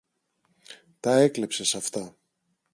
Τα έκλεψες αυτά.